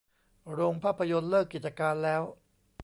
โรงภาพยนตร์เลิกกิจการแล้ว